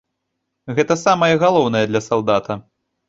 Гэта самае галоўнае для салдата.